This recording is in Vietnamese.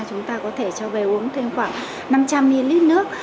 chúng ta có thể cho về uống thêm khoảng năm trăm linh ml nước